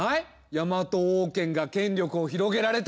ヤマト王権が権力を広げられたのは。